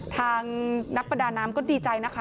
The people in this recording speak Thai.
ว่างมมไปจนเจอค่ะ